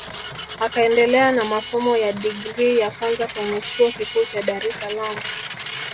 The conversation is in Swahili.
Akaendelea na masomo ya digrii ya kwanza kwenye Chuo Kikuu cha Dar es Salaam